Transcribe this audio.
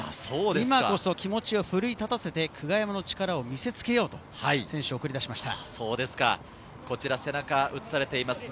今こそ気持ちを奮い立たせて久我山の力を見せつけようと選手を送り出しました。